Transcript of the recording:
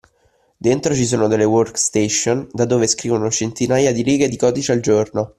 Dentro ci sono delle workstation da dove scrivono centinaia di righe di codice al giorno.